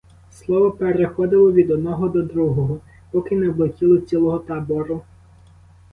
Слово переходило від одного до другого, поки не облетіло цілого табору.